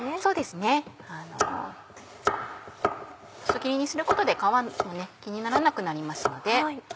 細切りにすることで皮も気にならなくなりますので。